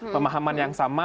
pemahaman yang sama